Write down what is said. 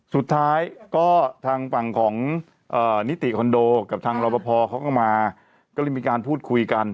สุดท้ายก็ทางฝั่งของนิติคอนโดกับทางรอปภเขาก็มาก็เลยมีการพูดคุยกัน